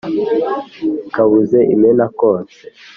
kabuze imena konse